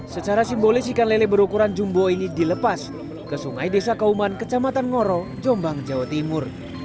secara simbolis ikan lele berukuran jumbo ini dilepas ke sungai desa kauman kecamatan ngoro jombang jawa timur